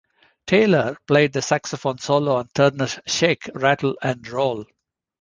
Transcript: Taylor played the saxophone solo on Turner's "Shake, Rattle and Roll".